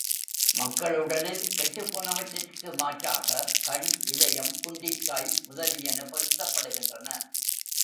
மக்கள் உடலில் கெட்டுப் போனவற்றிற்கு மாற்றாக, கண், இதயம், குண்டிக்காய் முதலியன பொருத்தப்படுகின்றன.